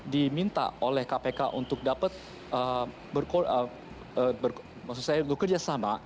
diminta oleh kpk untuk dapat maksud saya untuk kerjasama